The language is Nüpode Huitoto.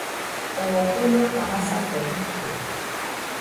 Oo fɨnoka masato bite.